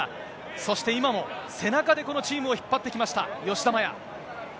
そして今も、背中でこのチームを引っ張ってきました、吉田麻也。